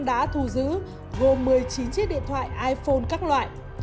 đã thu giữ gồm một mươi chín chiếc điện thoại iphone các loại